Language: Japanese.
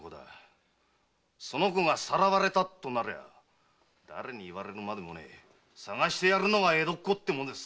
その子がさらわれたとなりゃ誰に言われるまでもねえ捜してやるのが江戸っ子ってもんです。